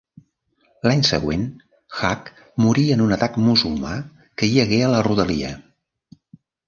L'any següent, Hug morí en un atac musulmà que hi hagué a la rodalia.